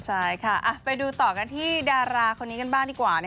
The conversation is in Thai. ใช่ค่ะไปดูต่อกันที่ดาราคนนี้กันบ้างดีกว่า